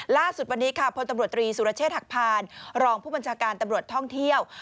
ล่าสุดวันนี้ค่ะพลตำรวจตรีสุรเชษฐหักพานรองผู้บัญชาการตำรวจท่องเที่ยว